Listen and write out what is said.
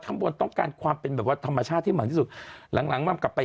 ข้างบนต้องการความเป็นแบบว่าธรรมชาติให้มันที่สุดหลังหลังมันกลับไป